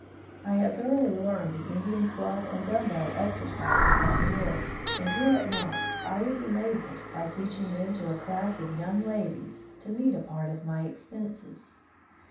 I had thoroughly learned the Indian dub and dumb bell exercises at Beloit, and here at Ejqox I was enabled by teaching them to a class of young ladies to meet a part of my expenses.